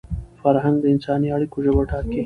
فرهنګ د انساني اړیکو ژبه ټاکي.